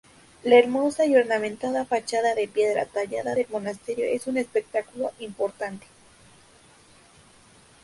La hermosa y ornamentada fachada de piedra tallada del monasterio es un espectáculo importante.